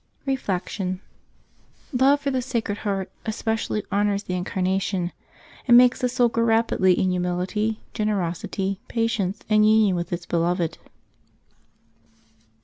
Reflection. — ^Love for the Sacred Heart especially hon ors the Incarnation, and makes the soul grow rapidly in humility, generosity, patience, and union with its Be loved.